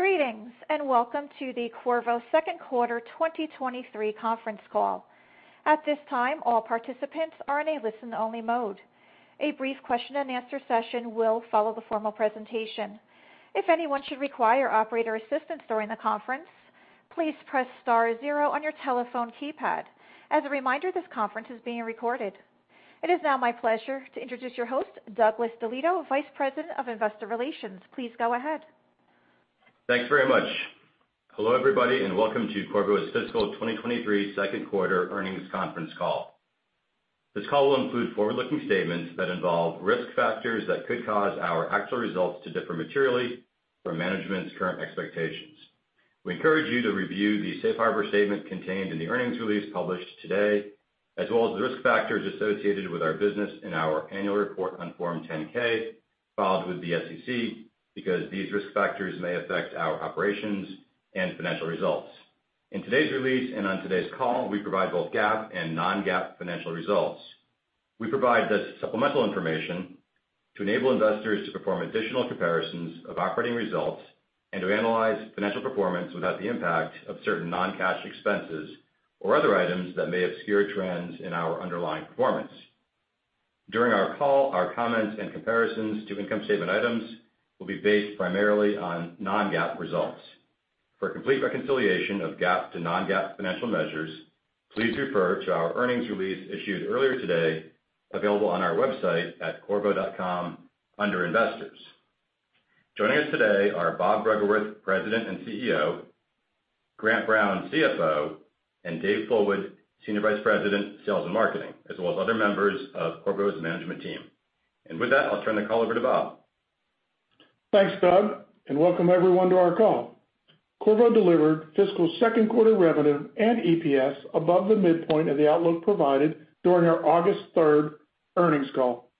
Greetings, and welcome to the Qorvo second quarter 2023 conference call. At this time, all participants are in a listen-only mode. A brief question-and-answer session will follow the formal presentation. If anyone should require operator assistance during the conference, please press Star Zero on your telephone keypad. As a reminder, this conference is being recorded. It is now my pleasure to introduce your host, Doug DeLieto, Vice President of Investor Relations. Please go ahead. Thanks very much. Hello, everybody, and welcome to Qorvo's fiscal 2023 second quarter earnings conference call. This call will include forward-looking statements that involve risk factors that could cause our actual results to differ materially from management's current expectations. We encourage you to review the safe harbor statement contained in the earnings release published today, as well as the risk factors associated with our business in our annual report on Form 10-K filed with the SEC, because these risk factors may affect our operations and financial results. In today's release and on today's call, we provide both GAAP and non-GAAP financial results. We provide this supplemental information to enable investors to perform additional comparisons of operating results and to analyze financial performance without the impact of certain non-cash expenses or other items that may obscure trends in our underlying performance. During our call, our comments and comparisons to income statement items will be based primarily on non-GAAP results. For a complete reconciliation of GAAP to non-GAAP financial measures, please refer to our earnings release issued earlier today, available on our website at qorvo.com under Investors. Joining us today are Bob Bruggeworth, President and CEO, Grant Brown, CFO, and Dave Fullwood, Senior Vice President, Sales and Marketing, as well as other members of Qorvo's management team. With that, I'll turn the call over to Bob. Thanks, Doug, and welcome everyone to our call. Qorvo delivered fiscal second quarter revenue and EPS above the midpoint of the outlook provided during our August 3rd earnings call.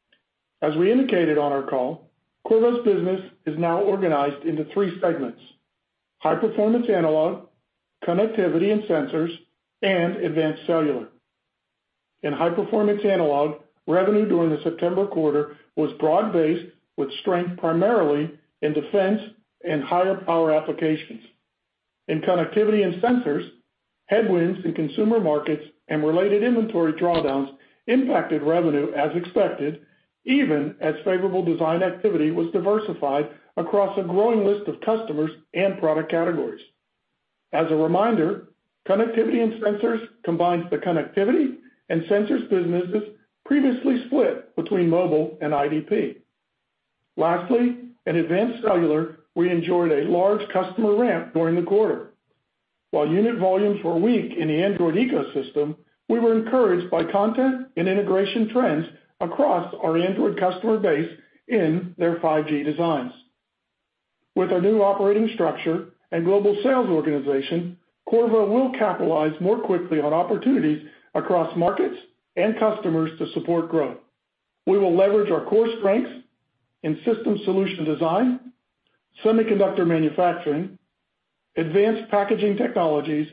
As we indicated on our call, Qorvo's business is now organized into three segments, high-performance analog, connectivity and sensors, and advanced cellular. In high-performance analog, revenue during the September quarter was broad-based with strength primarily in defense and higher power applications. In connectivity and sensors, headwinds in consumer markets and related inventory drawdowns impacted revenue as expected, even as favorable design activity was diversified across a growing list of customers and product categories. As a reminder, connectivity and sensors combines the connectivity and sensors businesses previously split between mobile and IDP. Lastly, in advanced cellular, we enjoyed a large customer ramp during the quarter. While unit volumes were weak in the Android ecosystem, we were encouraged by content and integration trends across our Android customer base in their 5G designs. With our new operating structure and global sales organization, Qorvo will capitalize more quickly on opportunities across markets and customers to support growth. We will leverage our core strengths in system solution design, semiconductor manufacturing, advanced packaging technologies,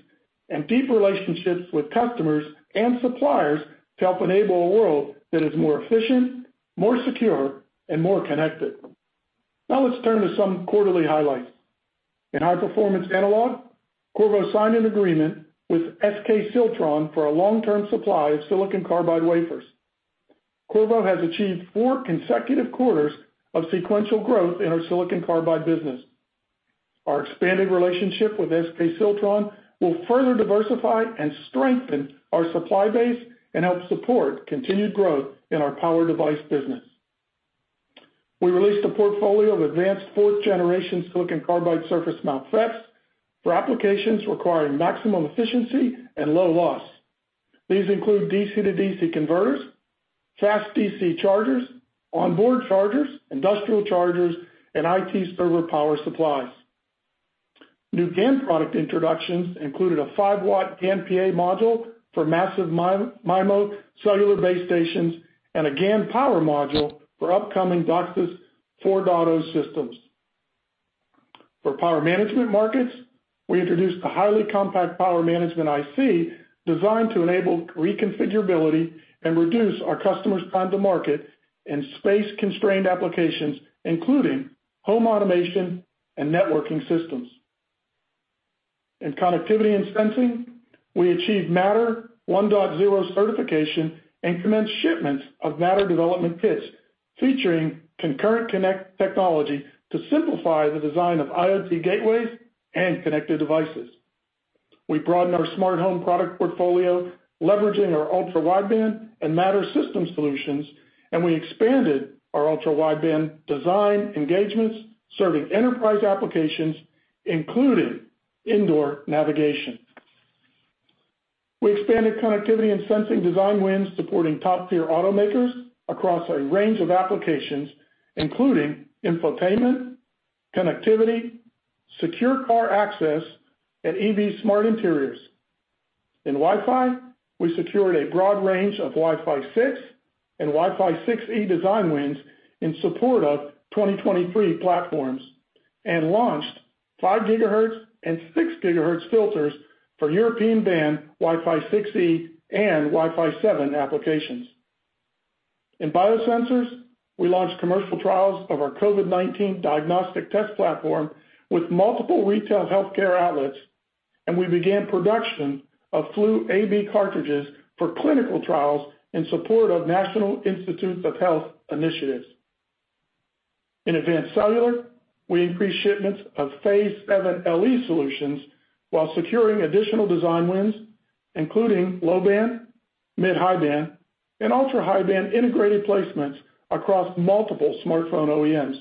and deep relationships with customers and suppliers to help enable a world that is more efficient, more secure, and more connected. Now let's turn to some quarterly highlights. In high-performance analog, Qorvo signed an agreement with SK Siltron for a long-term supply of silicon carbide wafers. Qorvo has achieved four consecutive quarters of sequential growth in our silicon carbide business. Our expanded relationship with SK Siltron will further diversify and strengthen our supply base and help support continued growth in our power device business. We released a portfolio of advanced fourth generation silicon carbide surface mount FETs for applications requiring maximum efficiency and low loss. These include DC-to-DC converters, fast DC chargers, onboard chargers, industrial chargers, and IT server power supplies. New GaN product introductions included a 5 W GaN PA module for Massive MIMO cellular base stations and a GaN power module for upcoming DOCSIS 4.0 systems. For power management markets, we introduced a highly compact power management IC designed to enable reconfigurability and reduce our customers' time to market in space-constrained applications, including home automation and networking systems. In connectivity and sensing, we achieved Matter 1.0 certification and commenced shipments of Matter development kits featuring ConcurrentConnect technology to simplify the design of IoT gateways and connected devices. We broadened our smart home product portfolio, leveraging our ultra-wideband and Matter system solutions, and we expanded our ultra-wideband design engagements, serving enterprise applications, including indoor navigation. We expanded connectivity and sensing design wins supporting top-tier automakers across a range of applications, including infotainment, connectivity, secure car access, and EV smart interiors. In Wi-Fi, we secured a broad range of Wi-Fi 6 and Wi-Fi 6E design wins in support of 2023 platforms and launched 5 GHz and 6 GHz filters for European band Wi-Fi 6E and Wi-Fi 7 applications. In biosensors, we launched commercial trials of our COVID-19 diagnostic test platform with multiple retail healthcare outlets, and we began production of flu AB cartridges for clinical trials in support of National Institutes of Health initiatives. In advanced cellular, we increased shipments of Phase 7 LE solutions while securing additional design wins, including low-band, mid-high-band, and ultra-high-band integrated placements across multiple smartphone OEMs.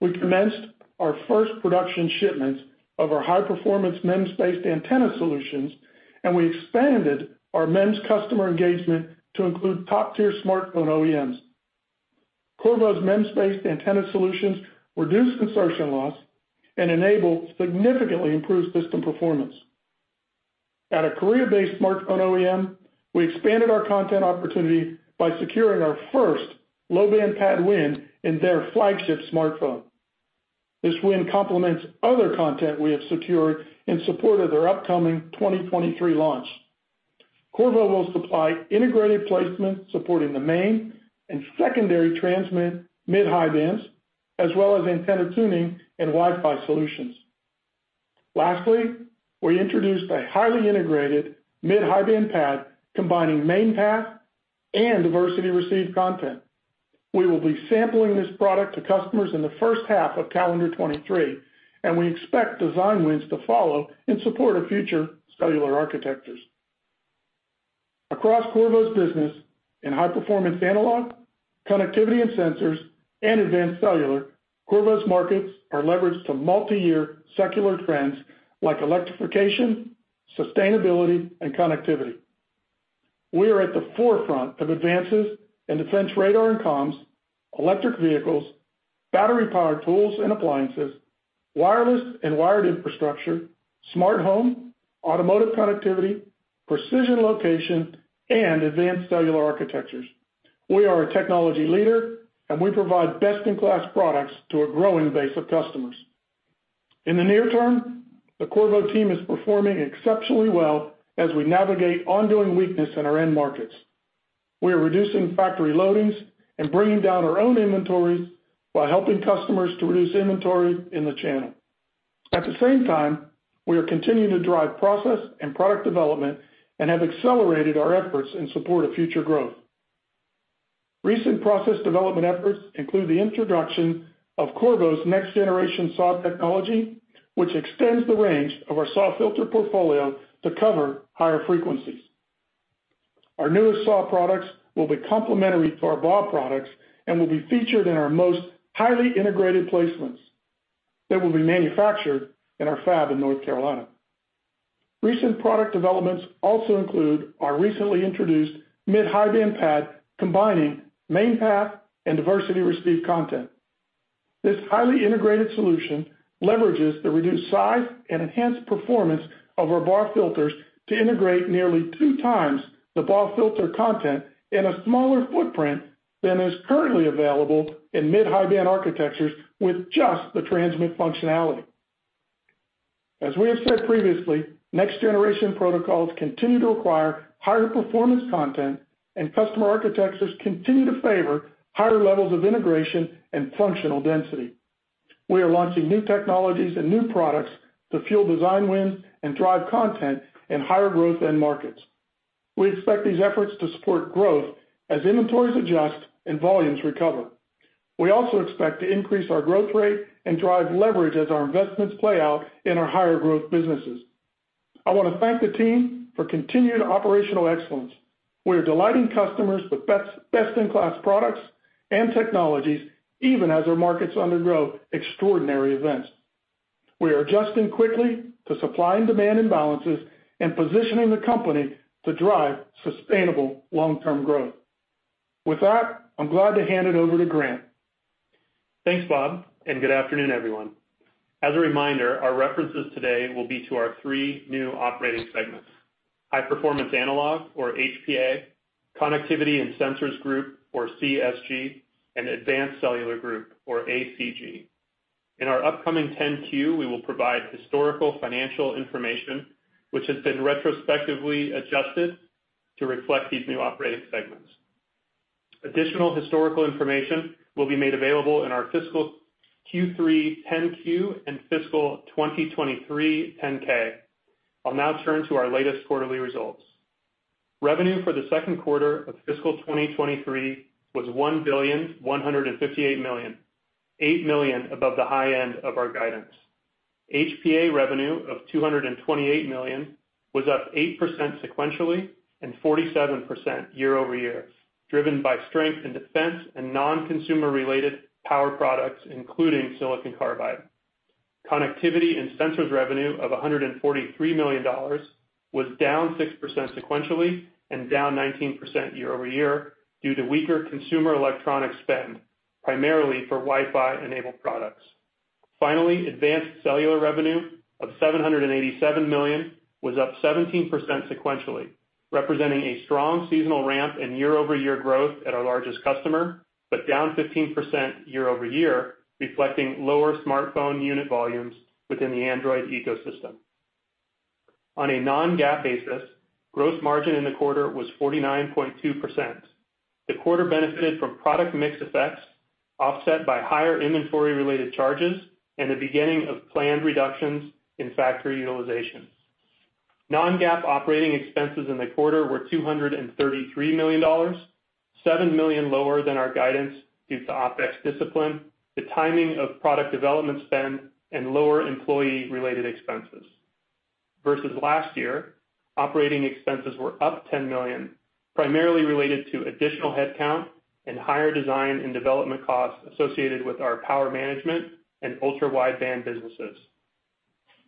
We commenced our first production shipments of our high-performance MEMS-based antenna solutions, and we expanded our MEMS customer engagement to include top-tier smartphone OEMs. Qorvo's MEMS-based antenna solutions reduce insertion loss and enable significantly improved system performance. At a Korea-based smartphone OEM, we expanded our content opportunity by securing our first low-band PAD win in their flagship smartphone. This win complements other content we have secured in support of their upcoming 2023 launch. Qorvo will supply integrated placement supporting the main and secondary transmit mid-high bands, as well as antenna tuning and Wi-Fi solutions. Lastly, we introduced a highly integrated mid-high-band PAD combining main path and diversity receive content. We will be sampling this product to customers in the first half of calendar 2023, and we expect design wins to follow in support of future cellular architectures. Across Qorvo's business, in high-performance analog, connectivity and sensors, and advanced cellular, Qorvo's markets are leveraged to multi-year secular trends like electrification, sustainability, and connectivity. We are at the forefront of advances in defense radar and comms, electric vehicles, battery-powered tools and appliances, wireless and wired infrastructure, smart home, automotive connectivity, precision location, and advanced cellular architectures. We are a technology leader, and we provide best-in-class products to a growing base of customers. In the near term, the Qorvo team is performing exceptionally well as we navigate ongoing weakness in our end markets. We are reducing factory loadings and bringing down our own inventories while helping customers to reduce inventory in the channel. At the same time, we are continuing to drive process and product development and have accelerated our efforts in support of future growth. Recent process development efforts include the introduction of Qorvo's next-generation SAW technology, which extends the range of our SAW filter portfolio to cover higher frequencies. Our newest SAW products will be complementary to our BAW products and will be featured in our most highly integrated placements that will be manufactured in our fab in North Carolina. Recent product developments also include our recently introduced mid-high band PAD, combining main path and diversity receive content. This highly integrated solution leverages the reduced size and enhanced performance of our BAW filters to integrate nearly 2x the BAW filter content in a smaller footprint than is currently available in mid-high band architectures with just the transmit functionality. As we have said previously, next-generation protocols continue to require higher performance content, and customer architectures continue to favor higher levels of integration and functional density. We are launching new technologies and new products to fuel design wins and drive content in higher growth end markets. We expect these efforts to support growth as inventories adjust and volumes recover. We also expect to increase our growth rate and drive leverage as our investments play out in our higher growth businesses. I wanna thank the team for continued operational excellence. We are delighting customers with best-in-class products and technologies, even as our markets undergo extraordinary events. We are adjusting quickly to supply and demand imbalances and positioning the company to drive sustainable long-term growth. With that, I'm glad to hand it over to Grant. Thanks, Bob, and good afternoon, everyone. As a reminder, our references today will be to our three new operating segments, High Performance Analog or HPA, Connectivity and Sensors Group or CSG, and Advanced Cellular Group or ACG. In our upcoming 10-Q, we will provide historical financial information which has been retrospectively adjusted to reflect these new operating segments. Additional historical information will be made available in our fiscal Q3 10-Q and fiscal 2023 10-K. I'll now turn to our latest quarterly results. Revenue for the second quarter of fiscal 2023 was $1,158 million, $8 million above the high end of our guidance. HPA revenue of $228 million was up 8% sequentially and 47% year-over-year, driven by strength in defense and non-consumer related power products, including silicon carbide. Connectivity and sensors revenue of $143 million was down 6% sequentially and down 19% year-over-year due to weaker consumer electronic spend, primarily for Wi-Fi enabled products. Finally, advanced cellular revenue of $787 million was up 17% sequentially, representing a strong seasonal ramp and year-over-year growth at our largest customer, but down 15% year-over-year, reflecting lower smartphone unit volumes within the Android ecosystem. On a non-GAAP basis, gross margin in the quarter was 49.2%. The quarter benefited from product mix effects offset by higher inventory related charges and the beginning of planned reductions in factory utilization. Non-GAAP operating expenses in the quarter were $233 million, $7 million lower than our guidance due to OpEx discipline, the timing of product development spend and lower employee related expenses. Versus last year, operating expenses were up $10 million, primarily related to additional headcount and higher design and development costs associated with our power management and ultra-wideband businesses.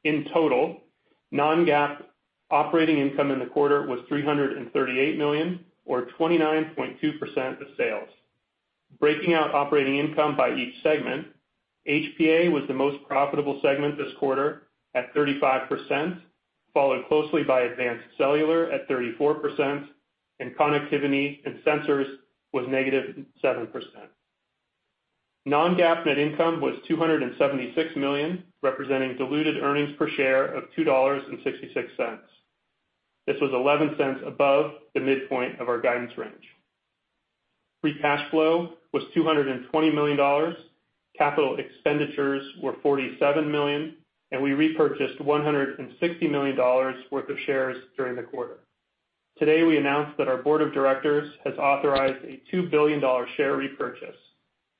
In total, non-GAAP operating income in the quarter was $338 million or 29.2% of sales. Breaking out operating income by each segment, HPA was the most profitable segment this quarter at 35%, followed closely by advanced cellular at 34% and connectivity and sensors was -7%. Non-GAAP net income was $276 million, representing diluted earnings per share of $2.66. This was $0.11 above the midpoint of our guidance range. Free cash flow was $220 million. Capital expenditures were $47 million, and we repurchased $160 million worth of shares during the quarter. Today, we announced that our board of directors has authorized a $2 billion share repurchase.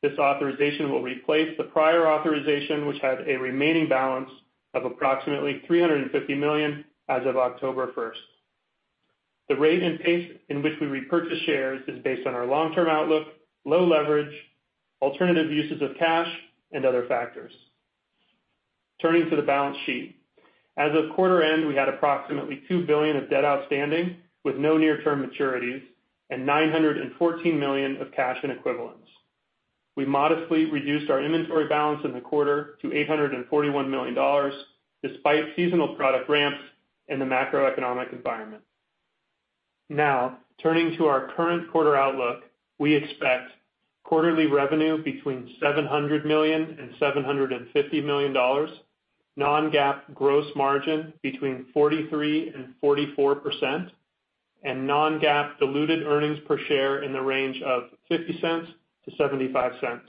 This authorization will replace the prior authorization, which had a remaining balance of approximately $350 million as of October 1st. The rate and pace in which we repurchase shares is based on our long-term outlook, low leverage, alternative uses of cash, and other factors. Turning to the balance sheet. As of quarter end, we had approximately $2 billion of debt outstanding with no near-term maturities and $914 million of cash and equivalents. We modestly reduced our inventory balance in the quarter to $841 million, despite seasonal product ramps and the macroeconomic environment. Now, turning to our current quarter outlook. We expect quarterly revenue between $700 million and $750 million, non-GAAP gross margin between 43% and 44%, and non-GAAP diluted earnings per share in the range of $0.50-$0.75.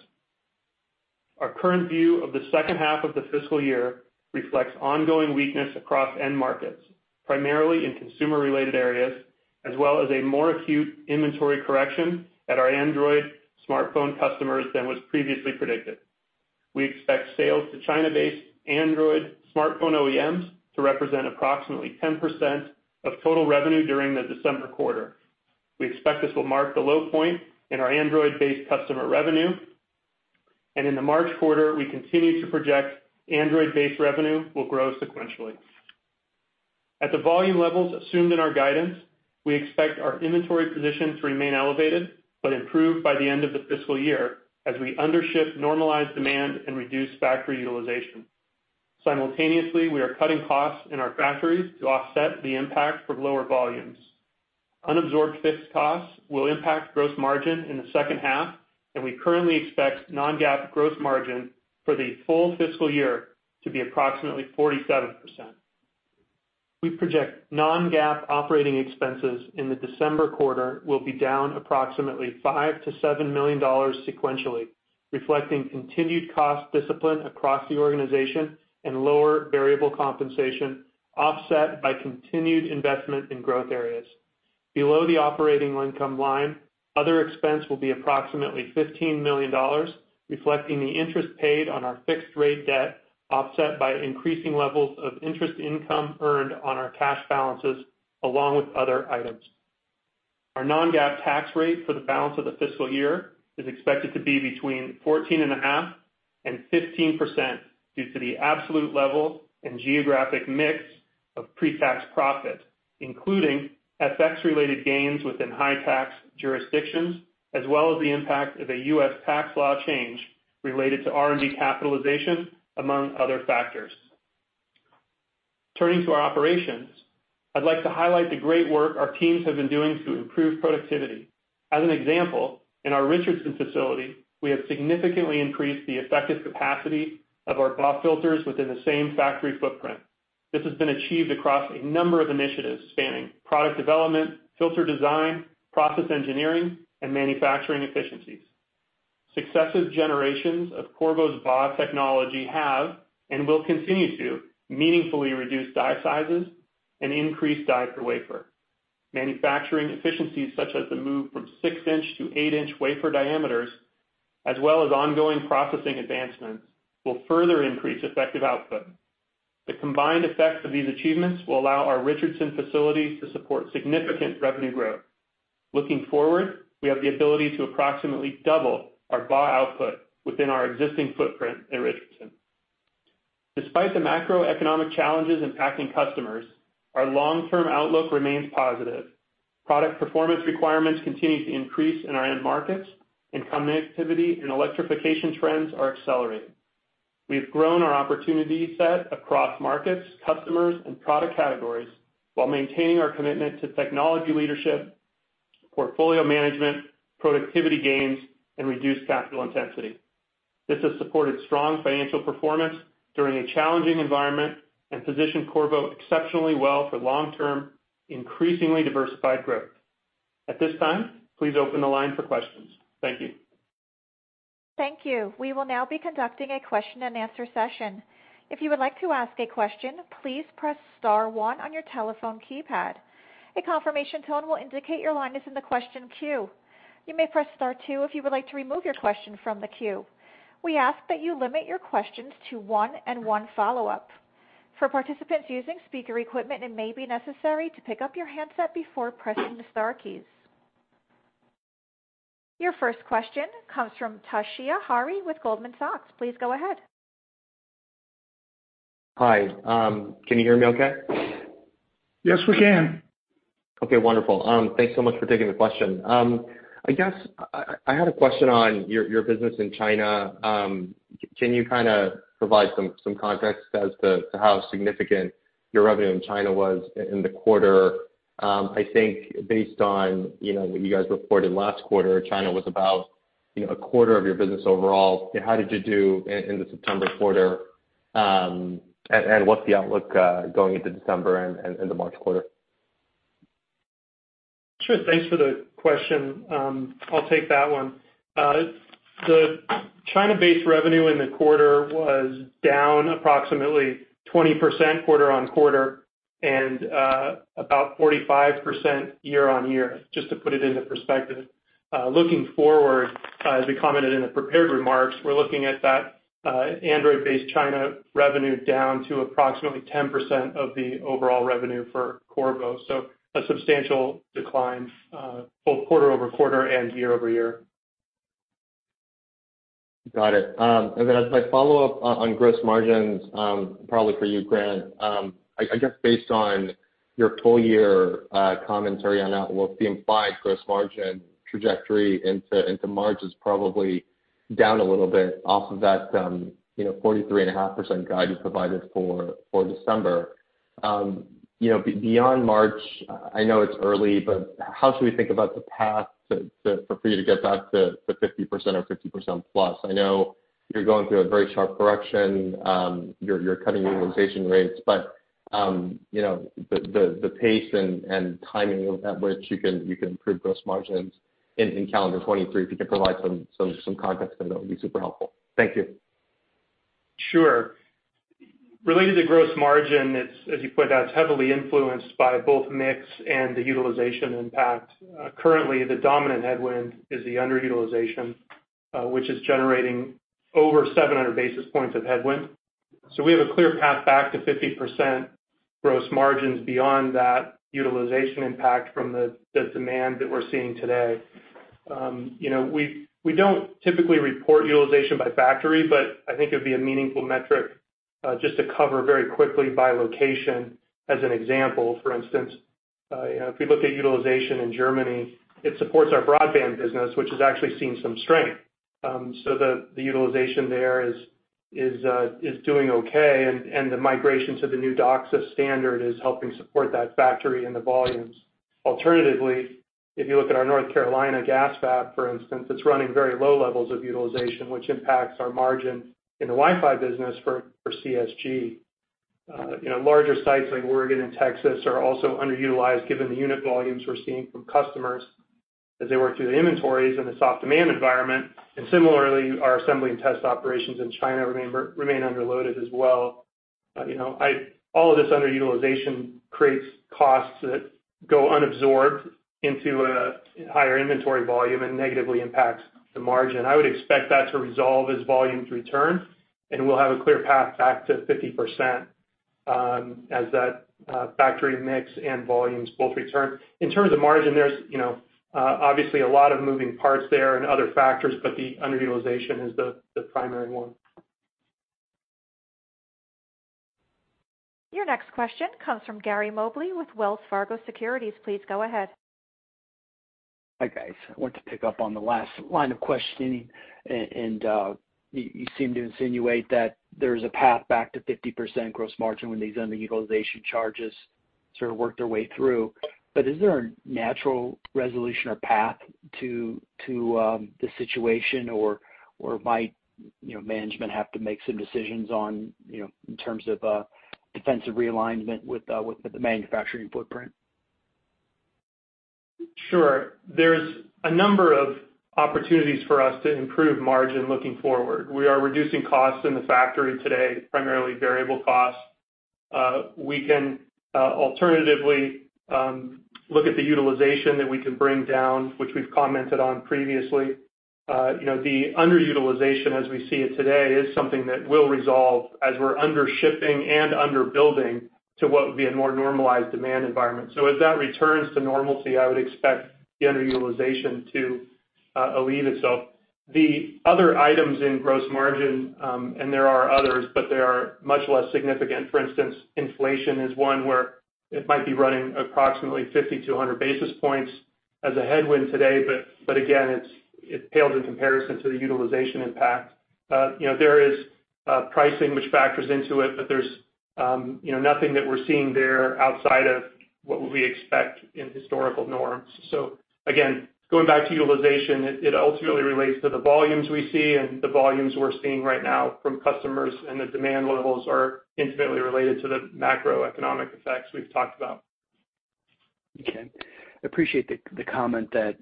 Our current view of the second half of the fiscal year reflects ongoing weakness across end markets, primarily in consumer-related areas, as well as a more acute inventory correction at our Android smartphone customers than was previously predicted. We expect sales to China-based Android smartphone OEMs to represent approximately 10% of total revenue during the December quarter. We expect this will mark the low point in our Android-based customer revenue. In the March quarter, we continue to project Android-based revenue will grow sequentially. At the volume levels assumed in our guidance, we expect our inventory position to remain elevated, but improve by the end of the fiscal year as we under-ship normalized demand and reduce factory utilization. Simultaneously, we are cutting costs in our factories to offset the impact from lower volumes. Unabsorbed fixed costs will impact gross margin in the second half, and we currently expect non-GAAP gross margin for the full fiscal year to be approximately 47%. We project non-GAAP operating expenses in the December quarter will be down approximately $5 million-$7 million sequentially, reflecting continued cost discipline across the organization and lower variable compensation offset by continued investment in growth areas. Below the operating income line, other expense will be approximately $15 million, reflecting the interest paid on our fixed rate debt offset by increasing levels of interest income earned on our cash balances along with other items. Our non-GAAP tax rate for the balance of the fiscal year is expected to be between 14.5% and 15% due to the absolute level and geographic mix of pre-tax profit, including FX related gains within high tax jurisdictions, as well as the impact of a U.S. tax law change related to R&D capitalization, among other factors. Turning to our operations, I'd like to highlight the great work our teams have been doing to improve productivity. As an example, in our Richardson facility, we have significantly increased the effective capacity of our BAW filters within the same factory footprint. This has been achieved across a number of initiatives spanning product development, filter design, process engineering, and manufacturing efficiencies. Successive generations of Qorvo's BAW technology have and will continue to meaningfully reduce die sizes and increase die per wafer. Manufacturing efficiencies such as the move from 6 in to 8 in wafer diameters, as well as ongoing processing advancements, will further increase effective output. The combined effects of these achievements will allow our Richardson facility to support significant revenue growth. Looking forward, we have the ability to approximately double our BAW output within our existing footprint in Richardson. Despite the macroeconomic challenges impacting customers, our long-term outlook remains positive. Product performance requirements continue to increase in our end markets. Connectivity and electrification trends are accelerating. We have grown our opportunity set across markets, customers, and product categories while maintaining our commitment to technology leadership. Portfolio management, productivity gains, and reduced capital intensity. This has supported strong financial performance during a challenging environment and positioned Qorvo exceptionally well for long-term, increasingly diversified growth. At this time, please open the line for questions. Thank you. Thank you. We will now be conducting a question-and-answer session. If you would like to ask a question, please press Star One on your telephone keypad. A confirmation tone will indicate your line is in the question queue. You may press Star Two if you would like to remove your question from the queue. We ask that you limit your questions to one and one follow-up. For participants using speaker equipment, it may be necessary to pick up your handset before pressing the star keys. Your first question comes from Toshiya Hari with Goldman Sachs. Please go ahead. Hi. Can you hear me okay? Yes, we can. Okay, wonderful. Thanks so much for taking the question. I guess I had a question on your business in China. Can you kind of provide some context as to how significant your revenue in China was in the quarter? I think based on, you know, what you guys reported last quarter, China was about, you know, a quarter of your business overall. How did you do in the September quarter? And what's the outlook going into December and the March quarter? Sure. Thanks for the question. I'll take that one. The China-based revenue in the quarter was down approximately 20% quarter-over-quarter and about 45% year-over-year, just to put it into perspective. Looking forward, as we commented in the prepared remarks, we're looking at that Android-based China revenue down to approximately 10% of the overall revenue for Qorvo. A substantial decline both quarter-over-quarter and year-over-year. Got it. As my follow-up on gross margins, probably for you, Grant, I guess based on your full year commentary on outlook, the implied gross margin trajectory into March is probably down a little bit off of that 43.5% guidance provided for December. You know, beyond March, I know it's early, but how should we think about the path to for you to get back to 50% or 50% plus? I know you're going through a very sharp correction. You're cutting utilization rates, but you know, the pace and timing of at which you can improve gross margins in calendar 2023. If you can provide some context, that would be super helpful. Thank you. Sure. Related to gross margin, it's, as you point out, heavily influenced by both mix and the utilization impact. Currently, the dominant headwind is the underutilization, which is generating over 700 basis points of headwind. We have a clear path back to 50% gross margins beyond that utilization impact from the demand that we're seeing today. You know, we don't typically report utilization by factory, but I think it'd be a meaningful metric, just to cover very quickly by location as an example, for instance. You know, if we look at utilization in Germany, it supports our broadband business, which is actually seeing some strength. The utilization there is doing okay, and the migration to the new DOCSIS standard is helping support that factory and the volumes. Alternatively, if you look at our North Carolina gas fab, for instance, it's running very low levels of utilization, which impacts our margin in the Wi-Fi business for CSG. You know, larger sites like Oregon and Texas are also underutilized given the unit volumes we're seeing from customers as they work through the inventories in a soft demand environment. Similarly, our assembly and test operations in China remain underloaded as well. You know, all of this underutilization creates costs that go unabsorbed into a higher inventory volume and negatively impacts the margin. I would expect that to resolve as volumes return, and we'll have a clear path back to 50%, as that factory mix and volumes both return. In terms of margin, there's, you know, obviously a lot of moving parts there and other factors, but the underutilization is the primary one. Your next question comes from Gary Mobley with Wells Fargo Securities. Please go ahead. Hi, guys. I want to pick up on the last line of questioning, and you seem to insinuate that there's a path back to 50% gross margin when these underutilization charges sort of work their way through. Is there a natural resolution or path to the situation or might you know management have to make some decisions on you know in terms of defensive realignment with the manufacturing footprint? Sure. There's a number of opportunities for us to improve margin looking forward. We are reducing costs in the factory today, primarily variable costs. We can alternatively look at the utilization that we can bring down, which we've commented on previously. You know, the underutilization as we see it today is something that will resolve as we're under shipping and under building to what would be a more normalized demand environment. As that returns to normalcy, I would expect the underutilization to alleviate itself. The other items in gross margin, and there are others, but they are much less significant. For instance, inflation is one where it might be running approximately 50-100 basis points as a headwind today, but again, it's it pales in comparison to the utilization impact. You know, there is pricing which factors into it, but there's, you know, nothing that we're seeing there outside of what we expect in historical norms. Again, going back to utilization, it ultimately relates to the volumes we see and the volumes we're seeing right now from customers, and the demand levels are intimately related to the macroeconomic effects we've talked about. Okay. I appreciate the comment that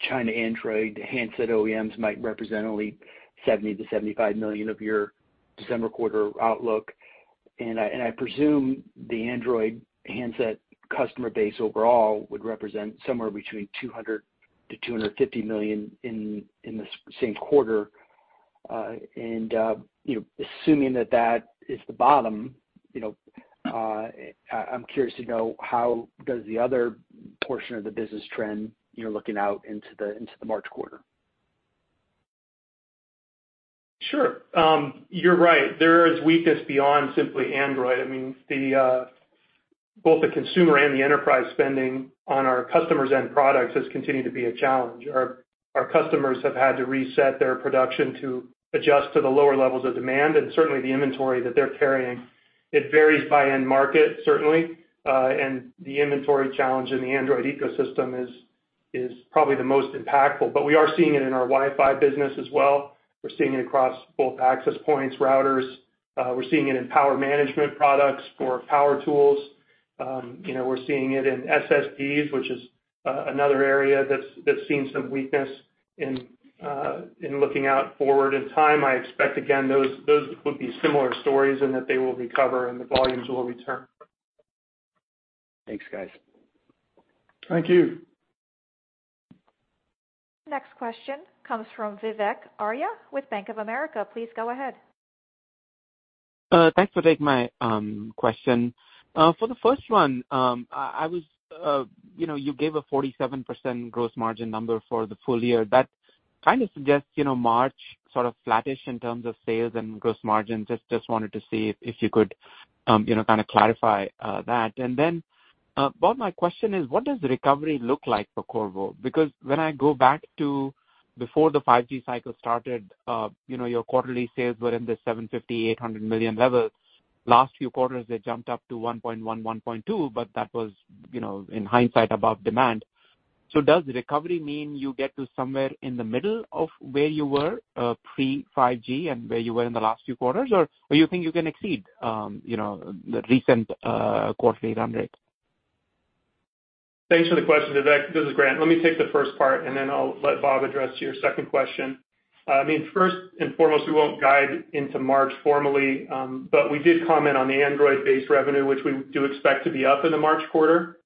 China Android handset OEMs might represent only 70 million-75 million of your December quarter outlook. I presume the Android handset customer base overall would represent somewhere between 200 million-250 million in the same quarter. You know, assuming that is the bottom, you know, I'm curious to know how does the other portion of the business trend, you know, looking out into the March quarter? Sure. You're right. There is weakness beyond simply Android. I mean, both the consumer and the enterprise spending on our customers' end products has continued to be a challenge. Our customers have had to reset their production to adjust to the lower levels of demand and certainly the inventory that they're carrying. It varies by end market, certainly. The inventory challenge in the Android ecosystem is probably the most impactful. We are seeing it in our Wi-Fi business as well. We're seeing it across both access points, routers. We're seeing it in power management products for power tools. You know, we're seeing it in SSDs, which is another area that's seen some weakness in looking forward in time. I expect, again, those would be similar stories and that they will recover and the volumes will return. Thanks, guys. Thank you. Next question comes from Vivek Arya with Bank of America. Please go ahead. Thanks for taking my question. For the first one, I was, you know, you gave a 47% gross margin number for the full year. That kind of suggests, you know, March sort of flattish in terms of sales and gross margin. Just wanted to see if you could, you know, kind of clarify that. Bob, my question is, what does recovery look like for Qorvo? Because when I go back to before the 5G cycle started, you know, your quarterly sales were in the $750 million-$800 million levels. Last few quarters, they jumped up to $1.1 billion, $1.2 billion, but that was, you know, in hindsight above demand. Does recovery mean you get to somewhere in the middle of where you were pre-5G and where you were in the last few quarters, or you think you can exceed you know the recent quarterly run rate? Thanks for the question, Vivek. This is Grant. Let me take the first part, and then I'll let Bob address your second question. I mean, first and foremost, we won't guide into March formally, but we did comment on the Android-based revenue, which we do expect to be up in the March quarter.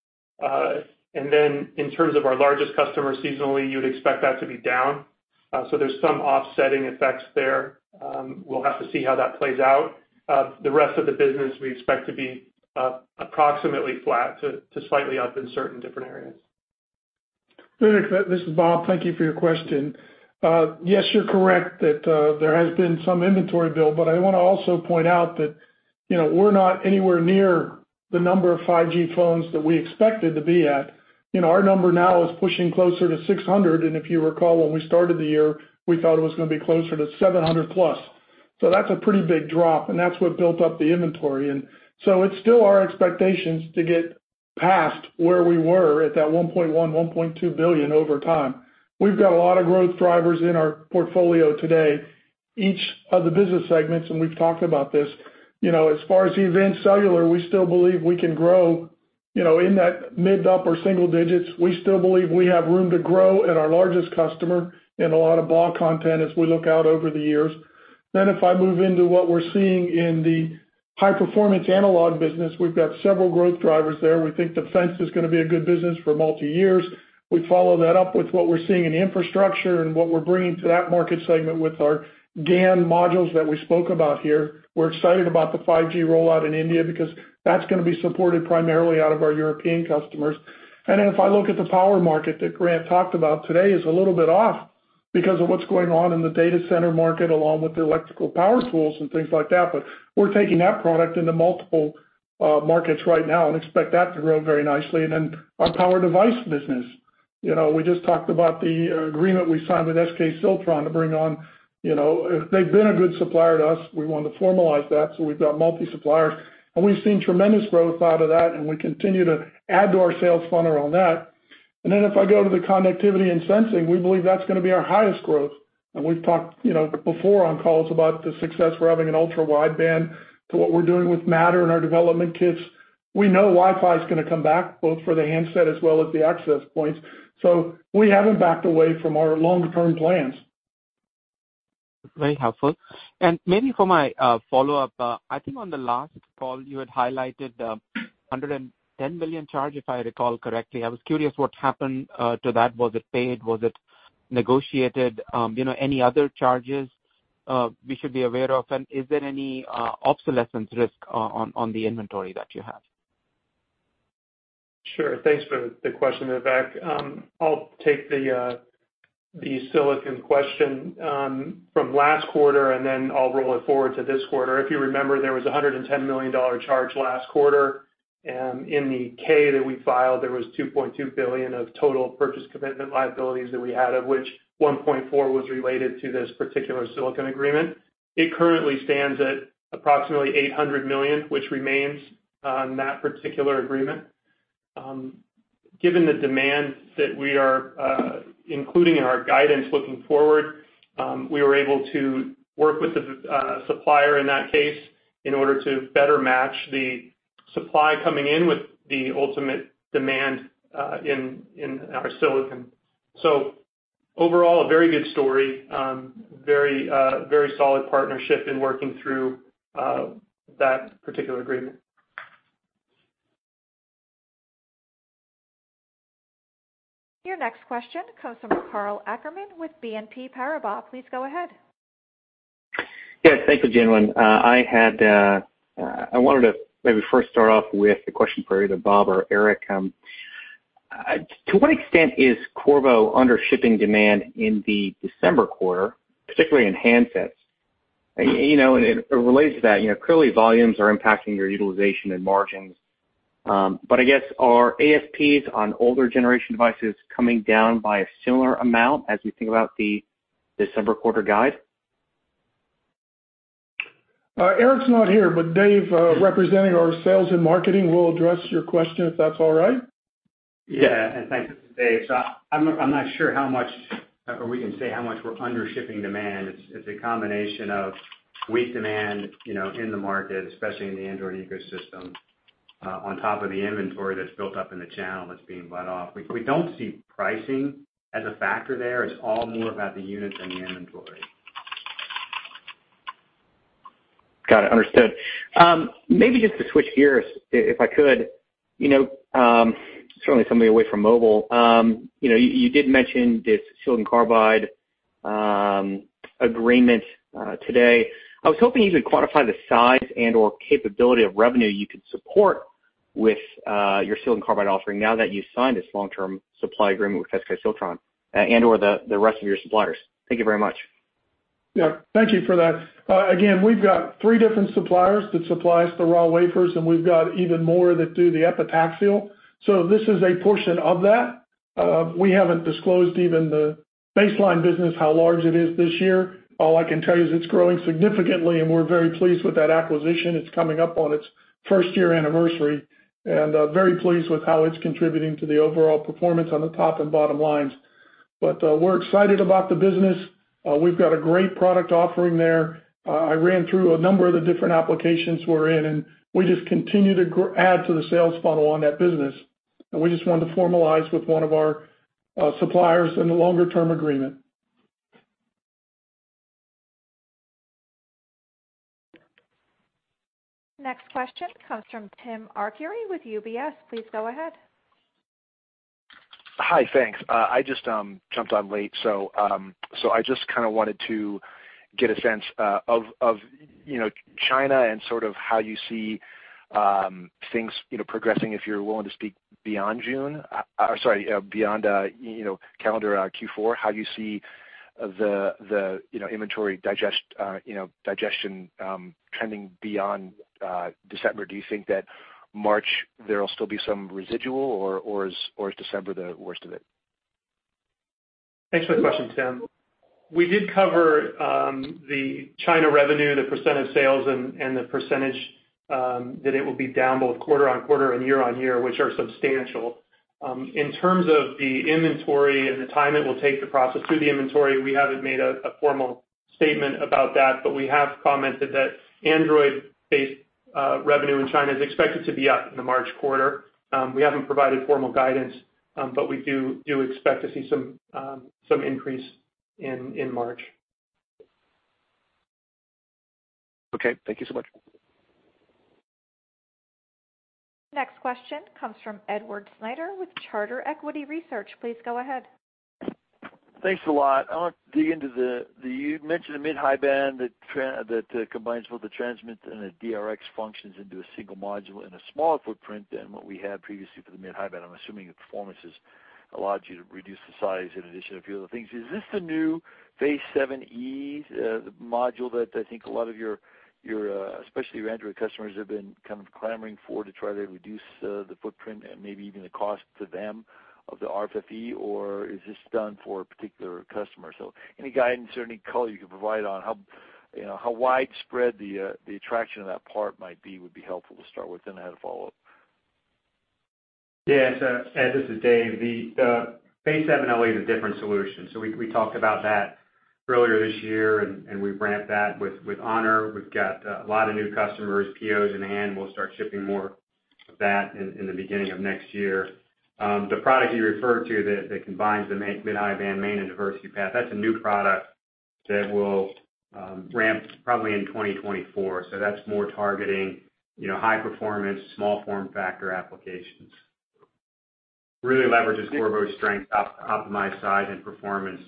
In terms of our largest customer seasonally, you'd expect that to be down. There's some offsetting effects there. We'll have to see how that plays out. The rest of the business we expect to be approximately flat to slightly up in certain different areas. Vivek, this is Bob. Thank you for your question. Yes, you're correct that there has been some inventory build, but I wanna also point out that, you know, we're not anywhere near the number of 5G phones that we expected to be at. You know, our number now is pushing closer to 600, and if you recall, when we started the year, we thought it was gonna be closer to 700+. That's a pretty big drop, and that's what built up the inventory. It's still our expectations to get past where we were at that $1.1 billion-$1.2 billion over time. We've got a lot of growth drivers in our portfolio today. Each of the business segments, and we've talked about this, you know, as far as advanced cellular, we still believe we can grow, you know, in that mid-upper single digits. We still believe we have room to grow at our largest customer in a lot of block content as we look out over the years. If I move into what we're seeing in the high-performance analog business, we've got several growth drivers there. We think defense is gonna be a good business for multi-years. We follow that up with what we're seeing in infrastructure and what we're bringing to that market segment with our GaN modules that we spoke about here. We're excited about the 5G rollout in India because that's gonna be supported primarily out of our European customers. If I look at the power market that Grant talked about today is a little bit off because of what's going on in the data center market, along with the electrical power tools and things like that. We're taking that product into multiple markets right now and expect that to grow very nicely. Our power device business. You know, we just talked about the agreement we signed with SK Siltron to bring on, you know, they've been a good supplier to us. We want to formalize that, so we've got multiple suppliers. We've seen tremendous growth out of that, and we continue to add to our sales funnel on that. If I go to the connectivity and sensing, we believe that's gonna be our highest growth. We've talked, you know, before on calls about the success we're having in ultra-wideband to what we're doing with Matter and our development kits. We know Wi-Fi is gonna come back, both for the handset as well as the access points. We haven't backed away from our long-term plans. Very helpful. Maybe for my follow-up, I think on the last call, you had highlighted $110 million charge, if I recall correctly. I was curious what happened to that. Was it paid? Was it negotiated? You know, any other charges we should be aware of? Is there any obsolescence risk on the inventory that you have? Sure. Thanks for the question, Vivek. I'll take the silicon question from last quarter, and then I'll roll it forward to this quarter. If you remember, there was a $110 million charge last quarter. In the 10-K that we filed, there was $2.2 billion of total purchase commitment liabilities that we had, of which $1.4 billion was related to this particular silicon agreement. It currently stands at approximately $800 million, which remains on that particular agreement. Given the demand that we are including in our guidance looking forward, we were able to work with the supplier in that case in order to better match the supply coming in with the ultimate demand in our silicon. Overall, a very good story, very solid partnership in working through that particular agreement. Your next question comes from Karl Ackerman with BNP Paribas. Please go ahead. Yes, thank you gentlemen. I wanted to maybe first start off with a question for either Bob or Eric. To what extent is Qorvo under-shipping demand in the December quarter, particularly in handsets? You know, it relates to that, you know, clearly volumes are impacting your utilization and margins. I guess are ASPs on older generation devices coming down by a similar amount as we think about the December quarter guide? Eric's not here, but Dave, representing our sales and marketing, will address your question, if that's all right. Yeah. Thanks, this is Dave. I'm not sure how much, or we can say how much we're under shipping demand. It's a combination of weak demand, you know, in the market, especially in the Android ecosystem, on top of the inventory that's built up in the channel that's being let off. We don't see pricing as a factor there. It's all more about the units and the inventory. Got it. Understood. Maybe just to switch gears, if I could. You know, certainly something away from mobile. You know, you did mention this silicon carbide agreement today. I was hoping you could quantify the size and/or capability of revenue you could support with your silicon carbide offering now that you've signed this long-term supply agreement with SK Siltron and/or the rest of your suppliers. Thank you very much. Yeah. Thank you for that. Again, we've got three different suppliers that supply us the raw wafers, and we've got even more that do the epitaxy. This is a portion of that. We haven't disclosed even the baseline business how large it is this year. All I can tell you is it's growing significantly, and we're very pleased with that acquisition. It's coming up on its first year anniversary, and very pleased with how it's contributing to the overall performance on the top and bottom lines. We're excited about the business. We've got a great product offering there. I ran through a number of the different applications we're in, and we just continue to add to the sales funnel on that business. We just wanted to formalize with one of our suppliers in the longer term agreement. Next question comes from Tim Arcuri with UBS. Please go ahead. Hi. Thanks. I just jumped on late, so I just kind of wanted to get a sense of you know China and sort of how you see things you know progressing, if you're willing to speak beyond June or sorry beyond you know calendar Q4, how you see the you know inventory digestion trending beyond December. Do you think that March there will still be some residual or is December the worst of it? Thanks for the question, Tim. We did cover the China revenue, the percent of sales and the percentage that it will be down both quarter-over-quarter and year-over-year, which are substantial. In terms of the inventory and the time it will take to process through the inventory, we haven't made a formal statement about that, but we have commented that Android-based revenue in China is expected to be up in the March quarter. We haven't provided formal guidance, but we do expect to see some increase in March. Okay. Thank you so much. Next question comes from Edward Snyder with Charter Equity Research. Please go ahead. Thanks a lot. You mentioned the mid-high band that combines both the transmit and the DRX functions into a single module in a smaller footprint than what we had previously for the mid-high band. I'm assuming the performance has allowed you to reduce the size in addition to a few other things. Is this the new Phase 7 E module that I think a lot of your, especially your Android customers have been kind of clamoring for to try to reduce the footprint and maybe even the cost to them of the RFFE? Or is this done for a particular customer? Any guidance or any color you can provide on how, you know, how widespread the attraction of that part might be would be helpful to start with, then I had a follow-up. Yeah. Ed, this is Dave. The Phase 7 LE is a different solution. We talked about that earlier this year, and we've ramped that with HONOR. We've got a lot of new customers, POs in hand. We'll start shipping more of that in the beginning of next year. The product you referred to that combines the mid-high band main and diversity path, that's a new product that will ramp probably in 2024. That's more targeting, you know, high performance, small form factor applications. Really leverages Qorvo's strength optimized size and performance.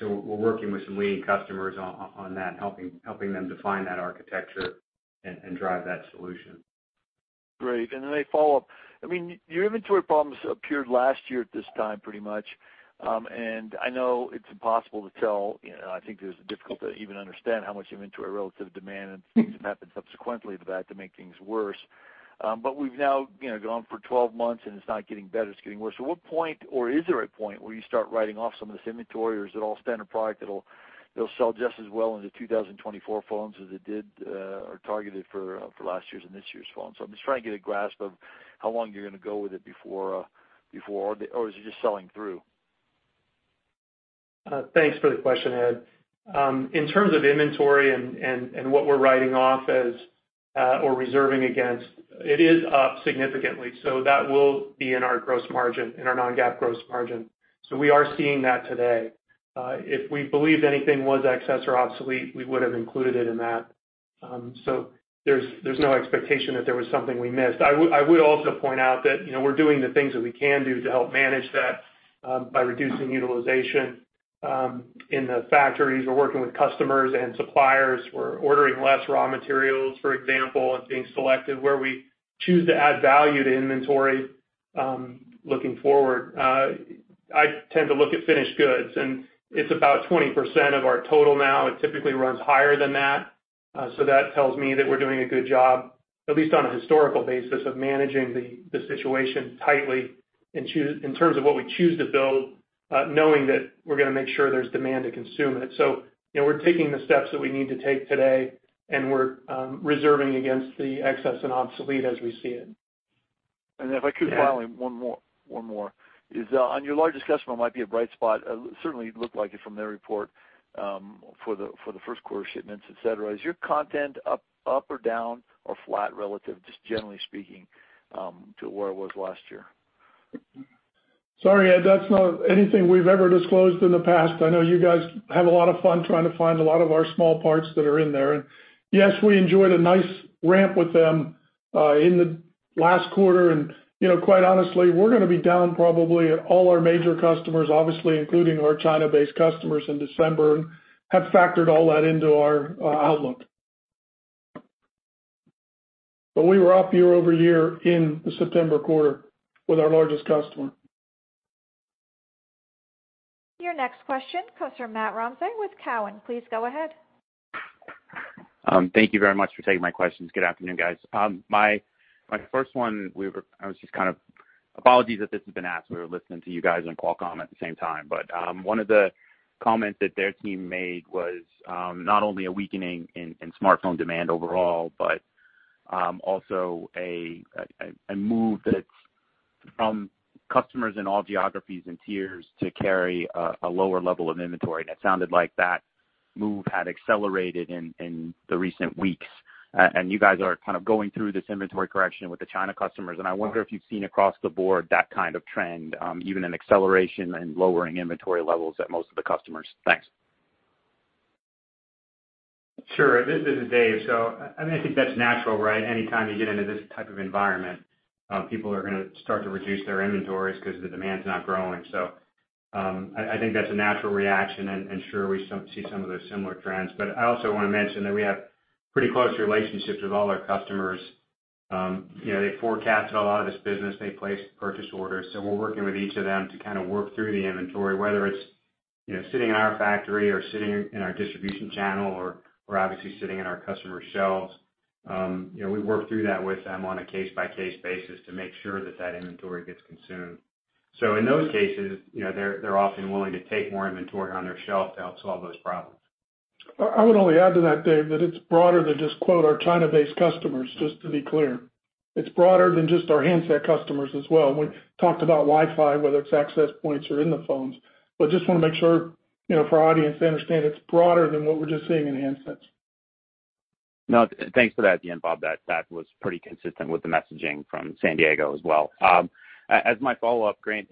We're working with some leading customers on that, helping them define that architecture and drive that solution. Great. Then a follow-up. I mean, your inventory problems appeared last year at this time pretty much. I know it's impossible to tell, you know. I think it was difficult to even understand how much inventory relative to demand and things have happened subsequently to that to make things worse. We've now, you know, gone for 12 months and it's not getting better, it's getting worse. What point or is there a point where you start writing off some of this inventory or is it all standard product that'll sell just as well in the 2024 phones as it did or targeted for last year's and this year's phone? I'm just trying to get a grasp of how long you're gonna go with it before or is it just selling through? Thanks for the question, Ed. In terms of inventory and what we're writing off as or reserving against, it is up significantly. That will be in our gross margin, in our non-GAAP gross margin. We are seeing that today. If we believed anything was excess or obsolete, we would've included it in that. There's no expectation that there was something we missed. I would also point out that, you know, we're doing the things that we can do to help manage that by reducing utilization in the factories. We're working with customers and suppliers. We're ordering less raw materials, for example, and being selective where we choose to add value to inventory looking forward. I tend to look at finished goods, and it's about 20% of our total now. It typically runs higher than that, so that tells me that we're doing a good job, at least on a historical basis, of managing the situation tightly and in terms of what we choose to build, knowing that we're gonna make sure there's demand to consume it. You know, we're taking the steps that we need to take today, and we're reserving against the excess and obsolete as we see it. If I could finally, one more. Is on your largest customer might be a bright spot, certainly looked like it from their report, for the first quarter shipments, et cetera. Is your content up or down or flat relative, just generally speaking, to where it was last year? Sorry, Ed, that's not anything we've ever disclosed in the past. I know you guys have a lot of fun trying to find a lot of our small parts that are in there. Yes, we enjoyed a nice ramp with them in the last quarter. You know, quite honestly, we're gonna be down probably at all our major customers, obviously, including our China-based customers in December, and have factored all that into our outlook. We were up year-over-year in the September quarter with our largest customer. Your next question comes from Matt Ramsay with TD Cowen. Please go ahead. Thank you very much for taking my questions. Good afternoon, guys. My first one, apologies if this has been asked, we were listening to you guys and Qualcomm at the same time. One of the comments that their team made was not only a weakening in smartphone demand overall, but also a move that's from customers in all geographies and tiers to carry a lower level of inventory. That sounded like that move had accelerated in the recent weeks. You guys are kind of going through this inventory correction with the China customers, and I wonder if you've seen across the board that kind of trend, even an acceleration and lowering inventory levels at most of the customers. Thanks. Sure. This is Dave. I think that's natural, right? Anytime you get into this type of environment, people are gonna start to reduce their inventories 'cause the demand's not growing. I think that's a natural reaction, and sure, we see some of the similar trends. But I also wanna mention that we have pretty close relationships with all our customers. You know, they forecasted a lot of this business. They placed purchase orders. We're working with each of them to kind of work through the inventory, whether it's, you know, sitting in our factory or sitting in our distribution channel or obviously sitting in our customers' shelves. You know, we work through that with them on a case-by-case basis to make sure that that inventory gets consumed. In those cases, you know, they're often willing to take more inventory on their shelf to help solve those problems. I would only add to that, Dave, that it's broader than just, quote, our China-based customers, just to be clear. It's broader than just our handset customers as well. We talked about Wi-Fi, whether it's access points or in the phones. Just wanna make sure, you know, for our audience, they understand it's broader than what we're just seeing in handsets. No, thanks for that at the end, Bob. That was pretty consistent with the messaging from San Diego as well. As my follow-up, Grant,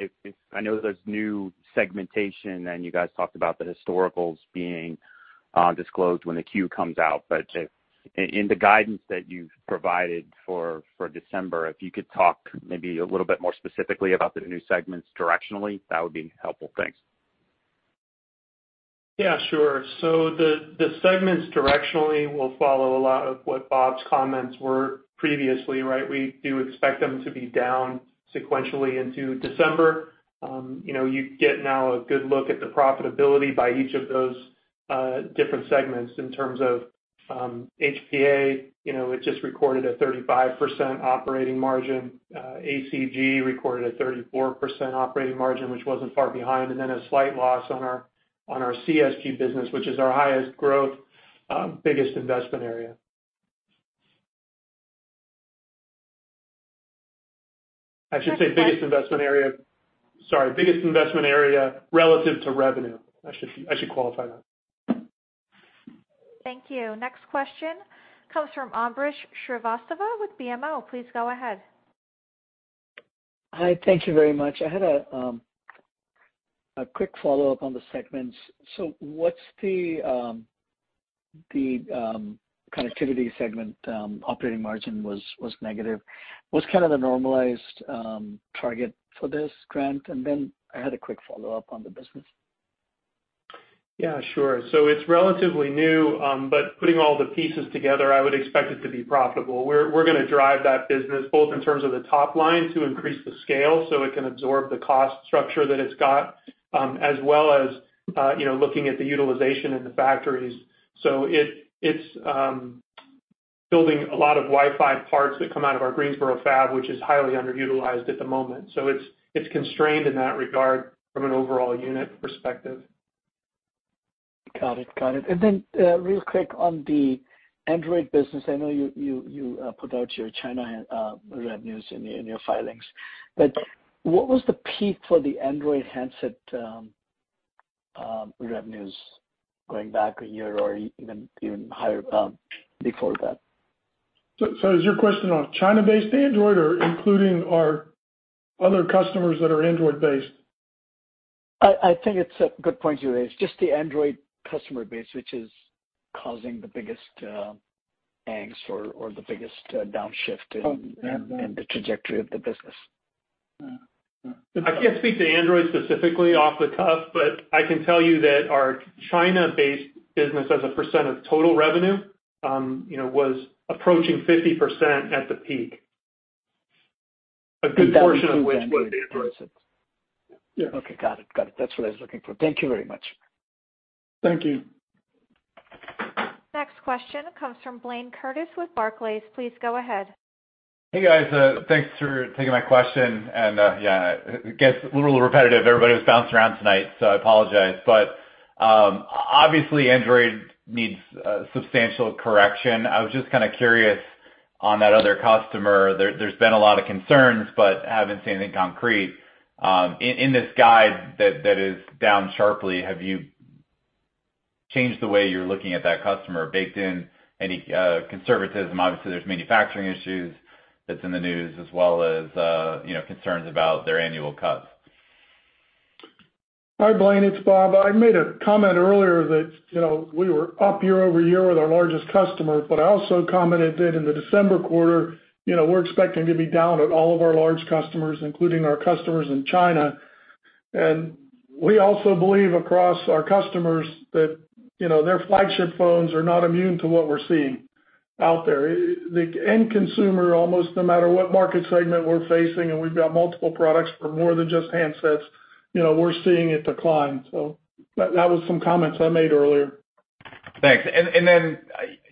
I know there's new segmentation and you guys talked about the historicals being disclosed when the Q comes out. In the guidance that you've provided for December, if you could talk maybe a little bit more specifically about the new segments directionally, that would be helpful. Thanks. Yeah, sure. The segments directionally will follow a lot of what Bob's comments were previously, right? We do expect them to be down sequentially into December. You know, you get now a good look at the profitability by each of those different segments in terms of HPA. You know, it just recorded a 35% operating margin. ACG recorded a 34% operating margin, which wasn't far behind, and then a slight loss on our CSG business, which is our highest growth, biggest investment area. I should say biggest investment area relative to revenue. I should qualify that. Thank you. Next question comes from Ambrish Srivastava with BMO. Please go ahead. Hi, thank you very much. I had a quick follow-up on the segments. What's the connectivity segment operating margin was negative. What's kind of the normalized target for this, Grant? Then I had a quick follow-up on the business. Yeah, sure. It's relatively new, but putting all the pieces together, I would expect it to be profitable. We're gonna drive that business both in terms of the top line to increase the scale so it can absorb the cost structure that it's got, as well as you know, looking at the utilization in the factories. It's building a lot of Wi-Fi parts that come out of our Greensboro fab, which is highly underutilized at the moment. It's, it's constrained in that regard from an overall unit perspective. Got it. Real quick on the Android business, I know you put out your China revenues in your filings, but what was the peak for the Android handset revenues going back a year or even higher before that? Is your question on China-based Android or including our other customers that are Android-based? I think it's a good point you raise, just the Android customer base, which is causing the biggest angst or the biggest downshift in the trajectory of the business. I can't speak to Android specifically off the cuff, but I can tell you that our China-based business as a percent of total revenue, you know, was approaching 50% at the peak. A good portion of which was Android. Okay. Got it. That's what I was looking for. Thank you very much. Thank you. Next question comes from Blayne Curtis with Barclays. Please go ahead. Hey, guys. Thanks for taking my question. Yeah, it gets a little repetitive, everybody who's bounced around tonight, so I apologize. Obviously Android needs substantial correction. I was just kind of curious on that other customer. There's been a lot of concerns but haven't seen anything concrete. In this guidance that is down sharply, have you changed the way you're looking at that customer, baked in any conservatism? Obviously, there's manufacturing issues that's in the news as well as you know, concerns about their annual cuts. Hi, Blayne, it's Bob. I made a comment earlier that, you know, we were up year-over-year with our largest customer, but I also commented that in the December quarter, you know, we're expecting to be down at all of our large customers, including our customers in China. We also believe across our customers that, you know, their flagship phones are not immune to what we're seeing out there. The end consumer, almost no matter what market segment we're facing, and we've got multiple products for more than just handsets, you know, we're seeing it decline. That was some comments I made earlier. Thanks. Then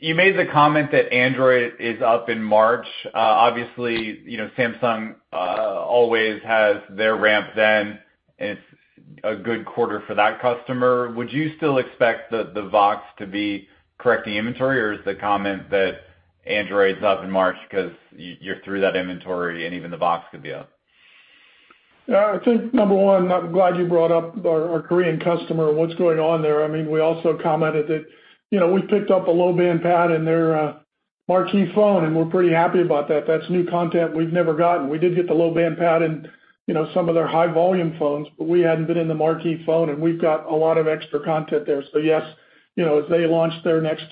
you made the comment that Android is up in March. Obviously, you know, Samsung always has their ramp then. It's a good quarter for that customer. Would you still expect the [Vox] to be correcting inventory, or is the comment that Android's up in March because you're through that inventory and even the [Vox] could be up? Yeah, I think, number one, I'm glad you brought up our Korean customer and what's going on there. I mean, we also commented that, you know, we picked up a low-band PAD in their marquee phone, and we're pretty happy about that. That's new content we've never gotten. We did get the low-band PAD in, you know, some of their high volume phones, but we hadn't been in the marquee phone, and we've got a lot of extra content there. So yes, you know, as they launch their next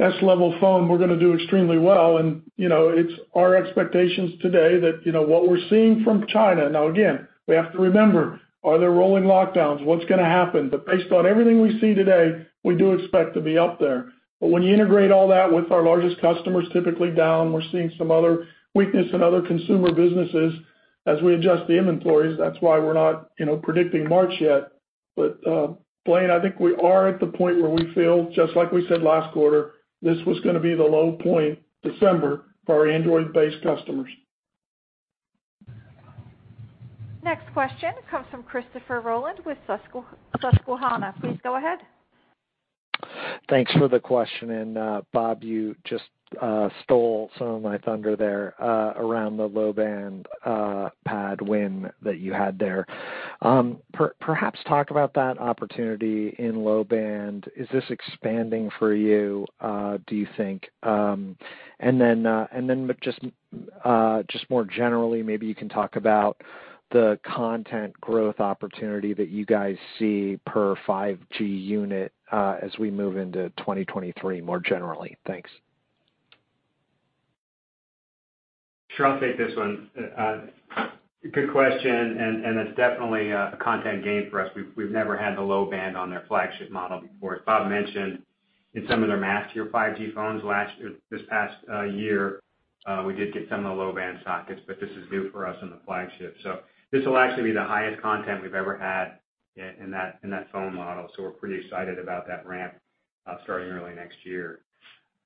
S level phone, we're gonna do extremely well. You know, it's our expectations today that, you know, what we're seeing from China. Now, again, we have to remember, are there rolling lockdowns? What's gonna happen? But based on everything we see today, we do expect to be up there. When you integrate all that with our largest customers typically down, we're seeing some other weakness in other consumer businesses as we adjust the inventories. That's why we're not, you know, predicting March yet. Blayne, I think we are at the point where we feel, just like we said last quarter, this was gonna be the low point, December, for our Android-based customers. Next question comes from Christopher Rolland with Susquehanna. Please go ahead. Thanks for the question. Bob, you just stole some of my thunder there around the low-band PAD win that you had there. Perhaps talk about that opportunity in low band. Is this expanding for you, do you think? Just more generally, maybe you can talk about the content growth opportunity that you guys see per 5G unit as we move into 2023 more generally. Thanks. Sure. I'll take this one. Good question, it's definitely a content gain for us. We've never had the low band on their flagship model before. As Bob mentioned, in some of their mid-tier 5G phones last year, this past year, we did get some of the low-band sockets, but this is new for us on the flagship. This will actually be the highest content we've ever had in that phone model. We're pretty excited about that ramp starting early next year.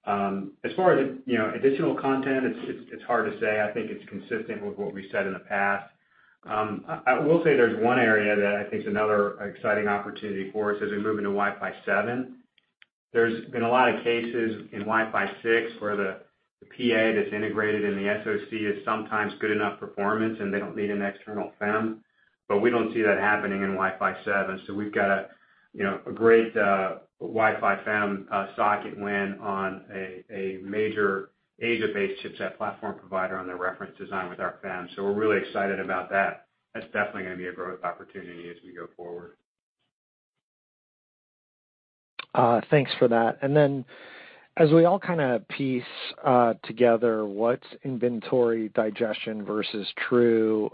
As far as, you know, additional content, it's hard to say. I think it's consistent with what we said in the past. I will say there's one area that I think is another exciting opportunity for us as we move into Wi-Fi 7. There's been a lot of cases in Wi-Fi 6 where the PA that's integrated in the SoC is sometimes good enough performance and they don't need an external FEM, but we don't see that happening in Wi-Fi 7. We've got a, you know, a great Wi-Fi FEM socket win on a major Asia-based chipset platform provider on their reference design with our FEM. We're really excited about that. That's definitely gonna be a growth opportunity as we go forward. Thanks for that. Then as we all kind of piece together what's inventory digestion versus true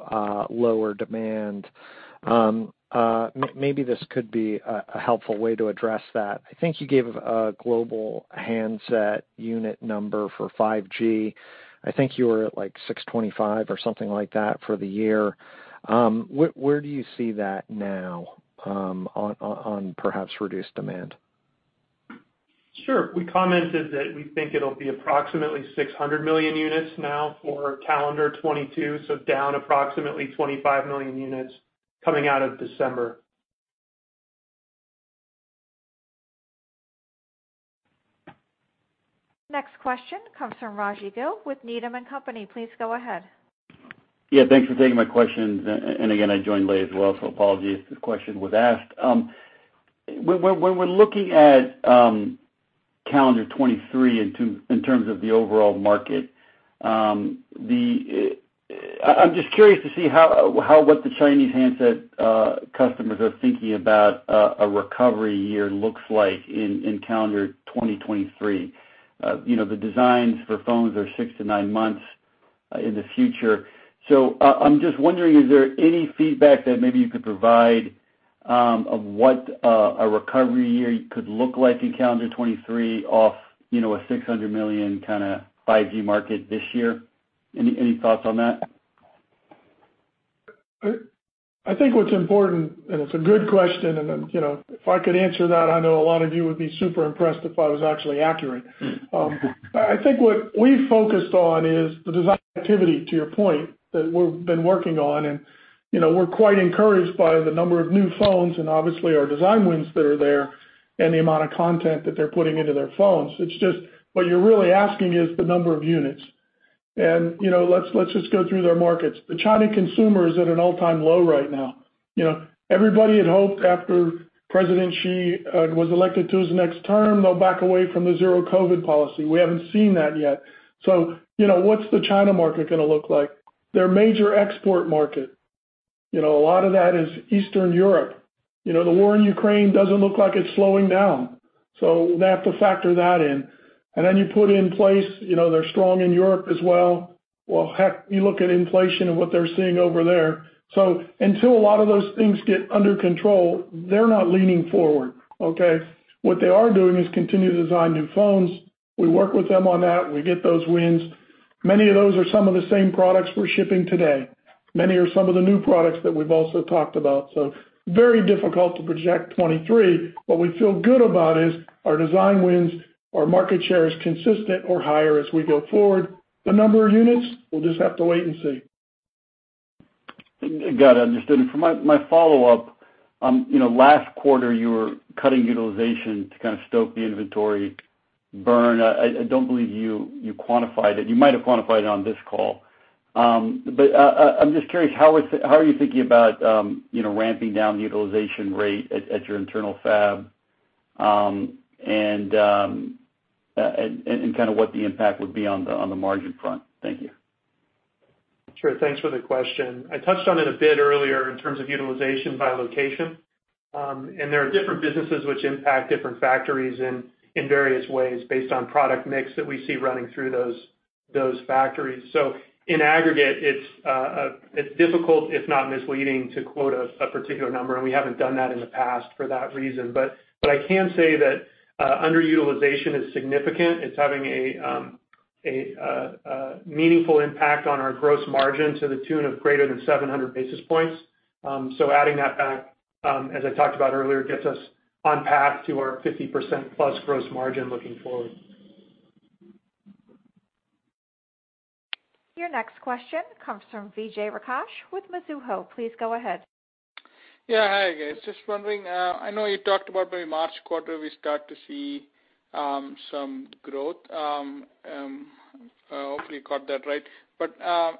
lower demand, maybe this could be a helpful way to address that. I think you gave a global handset unit number for 5G. I think you were at, like, 625 or something like that for the year. Where do you see that now, on perhaps reduced demand? Sure. We commented that we think it'll be approximately 600 million units now for calendar 2022, so down approximately 25 million units coming out of December. Next question comes from Raj Gill with Needham & Company. Please go ahead. Yeah, thanks for taking my question. And again, I joined late as well, so apologies if this question was asked. When we're looking at calendar 2023 in terms of the overall market, I'm just curious to see how what the Chinese handset customers are thinking about a recovery year looks like in calendar 2023. You know, the designs for phones are six to nine months in the future. I'm just wondering, is there any feedback that maybe you could provide of what a recovery year could look like in calendar 2023 off a 600 million kind of 5G market this year? Any thoughts on that? I think what's important, and it's a good question, and then, you know, if I could answer that, I know a lot of you would be super impressed if I was actually accurate. I think what we focused on is the design activity, to your point, that we've been working on. You know, we're quite encouraged by the number of new phones and obviously our design wins that are there and the amount of content that they're putting into their phones. It's just what you're really asking is the number of units. You know, let's just go through their markets. The China consumer is at an all-time low right now. You know, everybody had hoped after Xi Jinping was elected to his next term, they'll back away from the Zero-COVID policy. We haven't seen that yet. You know, what's the China market gonna look like? Their major export market, you know, a lot of that is Eastern Europe. You know, the war in Ukraine doesn't look like it's slowing down, so they have to factor that in. You put in place, you know, they're strong in Europe as well. Well, heck, you look at inflation and what they're seeing over there. Until a lot of those things get under control, they're not leaning forward, okay? What they are doing is continue to design new phones. We work with them on that. We get those wins. Many of those are some of the same products we're shipping today. Many are some of the new products that we've also talked about. Very difficult to project 2023. What we feel good about is our design wins, our market share is consistent or higher as we go forward. The number of units, we'll just have to wait and see. Got it, understood. For my follow-up, you know, last quarter you were cutting utilization to kind of stoke the inventory burn. I don't believe you quantified it. You might have quantified it on this call. I'm just curious how are you thinking about, you know, ramping down the utilization rate at your internal fab, and kind of what the impact would be on the margin front? Thank you. Sure. Thanks for the question. I touched on it a bit earlier in terms of utilization by location, and there are different businesses which impact different factories in various ways based on product mix that we see running through those factories. In aggregate, it's difficult, if not misleading, to quote a particular number, and we haven't done that in the past for that reason. I can say that underutilization is significant. It's having a meaningful impact on our gross margin to the tune of greater than 700 basis points. Adding that back, as I talked about earlier, gets us on path to our 50% plus gross margin looking forward. Your next question comes from Vijay Rakesh with Mizuho. Please go ahead. Yeah. Hi, guys. Just wondering, I know you talked about by March quarter we start to see some growth. Hopefully I caught that right.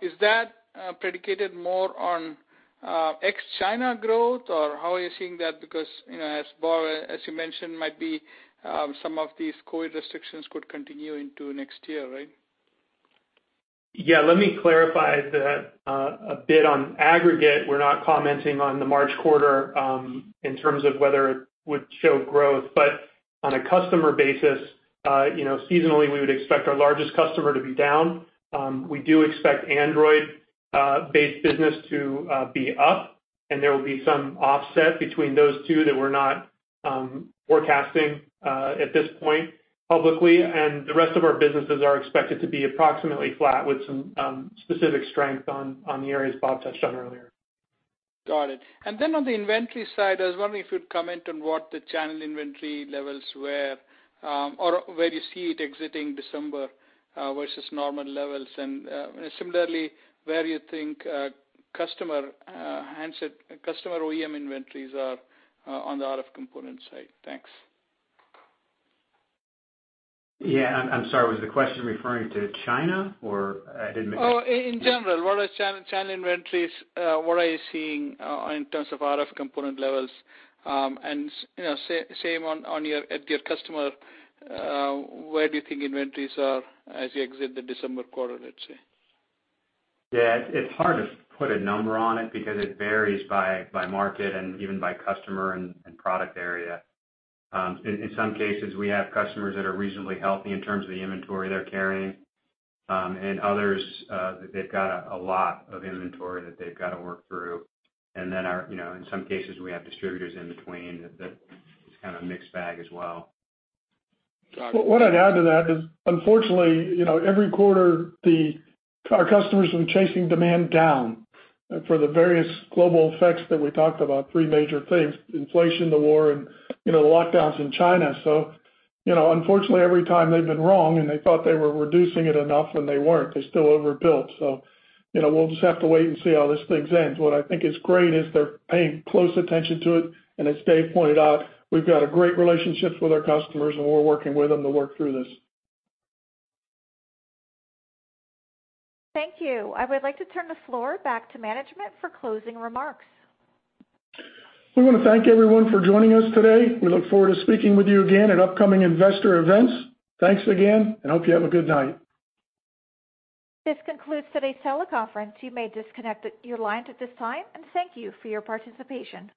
Is that predicated more on ex-China growth, or how are you seeing that? Because, you know, as you mentioned, might be some of these COVID restrictions could continue into next year, right? Yeah. Let me clarify that a bit. On aggregate, we're not commenting on the March quarter in terms of whether it would show growth. On a customer basis, you know, seasonally, we would expect our largest customer to be down. We do expect Android based business to be up, and there will be some offset between those two that we're not forecasting at this point publicly. The rest of our businesses are expected to be approximately flat with some specific strength on the areas Bob touched on earlier. Got it. On the inventory side, I was wondering if you'd comment on what the channel inventory levels were, or where you see it exiting December, versus normal levels. Similarly, where you think customer OEM inventories are, on the RF component side. Thanks. Yeah. I'm sorry. Was the question referring to China or I didn't make? In general, what are channel inventories? What are you seeing in terms of RF component levels? You know, same at your customer, where do you think inventories are as you exit the December quarter, let's say? Yeah. It's hard to put a number on it because it varies by market and even by customer and product area. In some cases, we have customers that are reasonably healthy in terms of the inventory they're carrying, and others, they've got a lot of inventory that they've got to work through. Then our, you know, in some cases, we have distributors in between that is kind of a mixed bag as well. Got it. What I'd add to that is, unfortunately, you know, every quarter our customers have been chasing demand down for the various global effects that we talked about, three major things, inflation, the war, and, you know, the lockdowns in China. You know, unfortunately, every time they've been wrong, and they thought they were reducing it enough when they weren't. They're still overbuilt. You know, we'll just have to wait and see how this thing ends. What I think is great is they're paying close attention to it, and as Dave pointed out, we've got great relationships with our customers, and we're working with them to work through this. Thank you. I would like to turn the floor back to management for closing remarks. We wanna thank everyone for joining us today. We look forward to speaking with you again at upcoming investor events. Thanks again and hope you have a good night. This concludes today's teleconference. You may disconnect your lines at this time, and thank you for your participation.